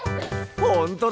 ほんとだ。